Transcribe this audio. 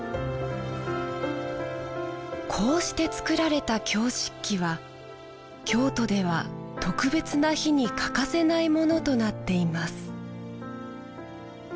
こうして作られた京漆器は京都では特別な日に欠かせないものとなっています